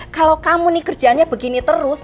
kalau kamu nih kerjaannya begini terus